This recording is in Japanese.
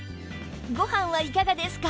ご飯はいかがですか？